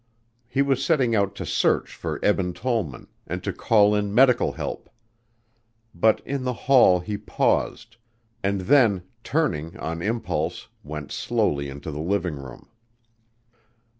He was setting out to search for Eben Tollman, and to call in medical help. But in the hall he paused, and then, turning on impulse, went slowly into the living room.